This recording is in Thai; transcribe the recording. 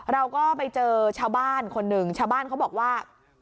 เราก็ไปเจอชาวบ้านคนหนึ่งชาวบ้านเขาบอกว่า